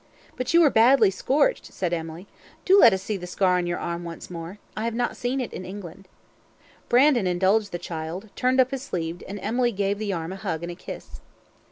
"But you were badly scorched," said Emily. "Do let us see the scar on your arm once more I have not seen it in England." Brandon indulged the child; turned up his sleeve, and Emily gave the arm a hug and a kiss.